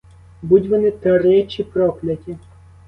Будь вони тричі прокляті!